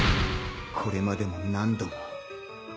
これまでも何度も。